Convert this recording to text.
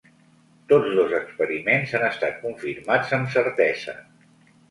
Tots dos experiments han estat confirmats amb certesa.